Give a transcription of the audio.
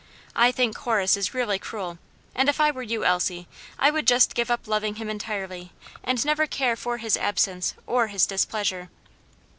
I think Horace is really cruel, and if I were you, Elsie, I would just give up loving him entirely, and never care for his absence or his displeasure."